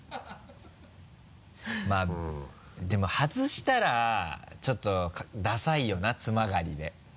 まぁでも外したらちょっとダサいよな津曲で。